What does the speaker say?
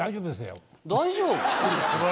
「大丈夫」？